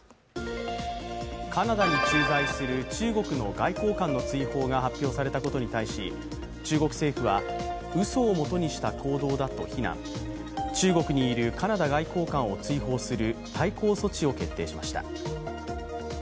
カナダに駐在する中国の外交官の通報が発表されたことに対し中国政府は、うそをもとにした行動だと非難、中国にいるカナダ外交官を追放する対抗措置を決定しました。